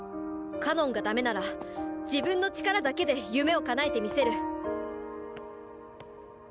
かのんがダメなら自分の力だけで夢を叶えてみせる。